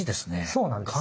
そうなんですよ。